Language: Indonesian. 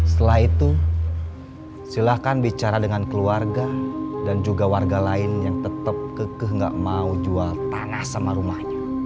setelah itu silakan bicara dengan keluarga dan juga warga lain yang tetap kekeh nggak mau jual tanah sama rumahnya